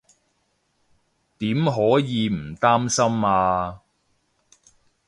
點可以唔擔心啊